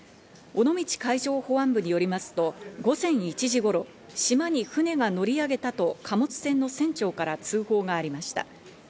尾道海上保安部によりますと、午前１時頃、島に船が乗り上げたと貨物船の船長から通報がありました。